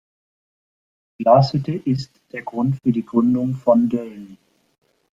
Die Glashütte ist der Grund für die Gründung von Dölln.